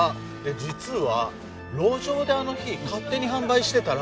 実は路上であの日勝手に販売してたら